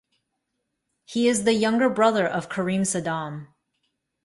He is the younger brother of Karim Saddam.